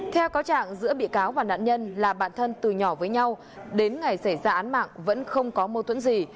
theo có trạng giữa bị cáo và nạn nhân là bạn thân từ nhỏ với nhau đến ngày xảy ra án mạng vẫn không có mâu thuẫn gì